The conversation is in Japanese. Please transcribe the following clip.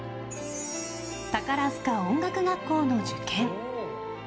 宝塚音楽学校の受験。